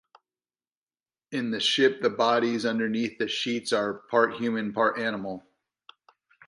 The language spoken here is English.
In the ship, the bodies underneath the sheets are part human, part animal.